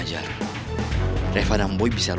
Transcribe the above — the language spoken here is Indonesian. ya boe aman kan